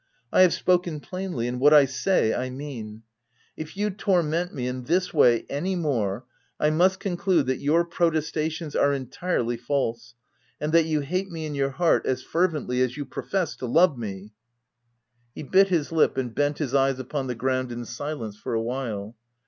I have spoken plainly; and what I say I mean. If you torment me in this way any more, I must conclude that your protestations are entirely false, and that you hate me in your heart as fervently as you pro fess to love me !" OF WILDFELL HALL. 365 He bit his lip and bent his eyes upon the ground in silence for a while.